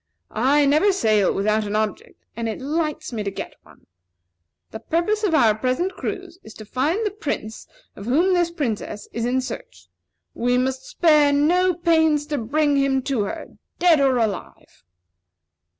I never sail without an object, and it lights me to get one. The purpose of our present cruise is to find the Prince of whom this Princess is in search; and we must spare no pains to bring him to her, dead or alive."